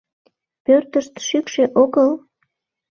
— Пӧртышт шӱкшӧ огыл?